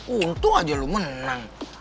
untung aja lo menang